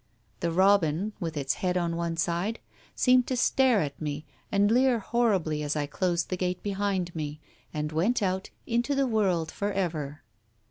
The robip, with its head on one side, seemed to stare at me and leer horribly as I closed the gate behind me, and went out into the world for ever.